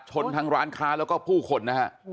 ชนทั้งร้านค้าแล้วก็ผู้คนนะฮะ